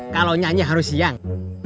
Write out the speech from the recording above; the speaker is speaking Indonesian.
kalau nyanyi harus siang